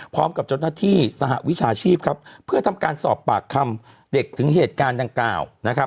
พร้อมกับเจ้าหน้าที่สหวิชาชีพครับเพื่อทำการสอบปากคำเด็กถึงเหตุการณ์ดังกล่าวนะครับ